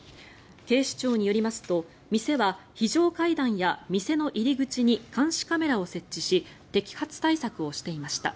警視庁によりますと店は非常階段や店の入り口に監視カメラを設置し摘発対策をしていました。